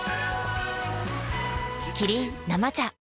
キリン「生茶」